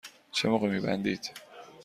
چه موقع می بندید؟